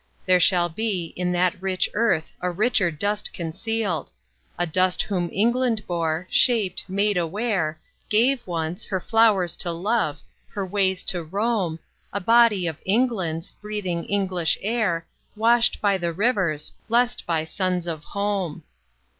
There shall be In that rich earth a richer dust concealed; A dust whom England bore, shaped, made aware, Gave, once, her flowers to love, her ways to roam, A body of England's, breathing English air, Washed by the rivers, blest by suns of home.